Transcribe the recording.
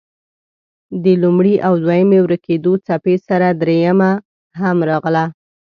د لومړۍ او دویمې ورکېدو څپې سره دريمه هم راغله.